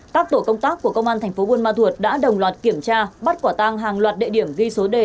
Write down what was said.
các tổ công tác của công an tp bộ ma thuật đã đồng loạt kiểm tra bắt quả tăng hàng loạt địa điểm ghi số đề